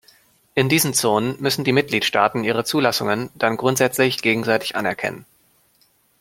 In diesen Zonen müssen die Mitgliedstaaten ihre Zulassungen dann grundsätzlich gegenseitig anerkennen.